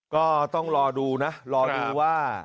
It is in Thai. ก็ต้องรอดูนะรอดูว่า